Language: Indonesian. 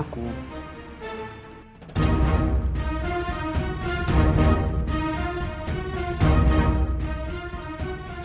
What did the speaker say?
aku mau ke rumah